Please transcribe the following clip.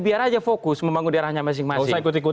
biar aja fokus membangun daerahnya masing masing